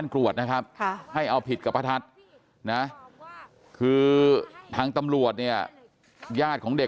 กรวดนะครับให้เอาผิดกับป้าทัศน์นะคือทางตำรวจเนี่ยญาติของเด็ก